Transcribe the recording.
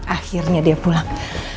akhirnya dia pulang